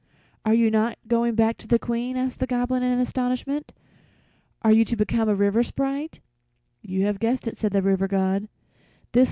are you not going back to the Queen?" asked the Goblin, in astonishment. "Are you to become a river sprite?" "You have guessed it," said the River God.